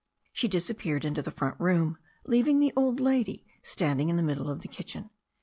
She disappeared into the front room, leaving the old lady standing in the middle of the kitchen.